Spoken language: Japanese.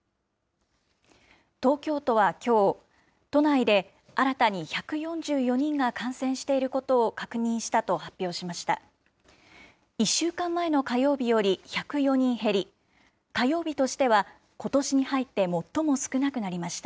東京都はきょう、都内で新たに１４４人が感染していることを確認したと発表しました。